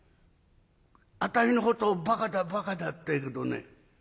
あたいのことをバカだバカだって言うけどね